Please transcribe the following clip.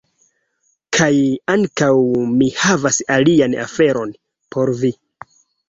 Kaj... ankaŭ mi havas alian aferon por vi